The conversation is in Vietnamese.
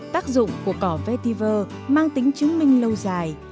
tác dụng của cỏ vtiver mang tính chứng minh lâu dài